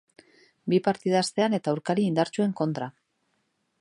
Bi partida astean eta aurkari indartsuen kontra.